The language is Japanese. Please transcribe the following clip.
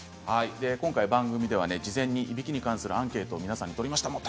今回、番組ではいびきに関するアンケートを事前に皆さんに取りました。